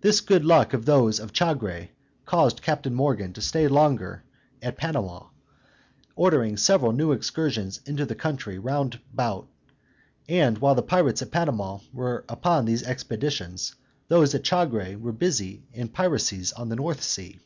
This good luck of those of Chagre caused Captain Morgan to stay longer at Panama, ordering several new excursions into the country round about; and while the pirates at Panama were upon these expeditions, those at Chagre were busy in piracies on the North Sea.